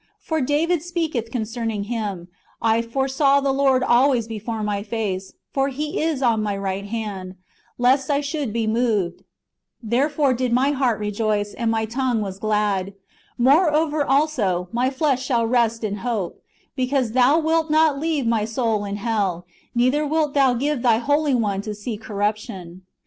For David speaketh concerning Him,^ I foresaw the Lord always before my face ; for He is on my right hand, lest I should be moved : therefore did my heart rejoice, and my tongue was glad; moreover also, my flesh shall rest in hope : because Thou wilt not leave my soul in hell, neither wilt Thou give Thy Holy One to see corruption."